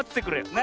な。